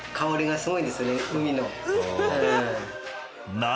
すごい！